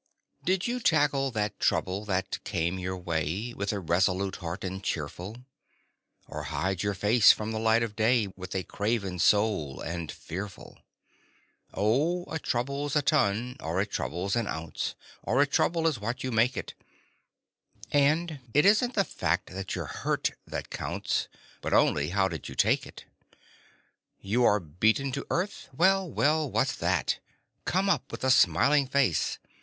Did you tackle that trouble that came your way With a resolute heart and cheerful? Or hide your face from the light of day With a craven soul and fearful? Oh, a trouble's a ton, or a trouble's an ounce, Or a trouble is what you make it, And it isn't the fact that you're hurt that counts, But only how did you take it? You are beaten to earth? Well, well, what's that! Come up with a smiling face.